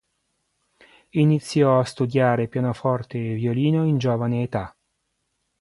Iniziò a studiare pianoforte e violino in giovane età.